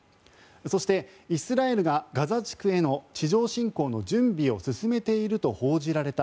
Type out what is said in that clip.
そして、イスラエルがガザ地区への地上侵攻の準備を進めていると報じられた